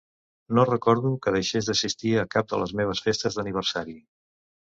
No recordo que deixés d'assistir a cap de les meves festes d'aniversari.